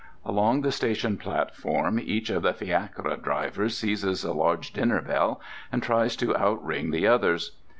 Along the station platform each of the fiacre drivers seizes a large dinner bell and tries to outring the others.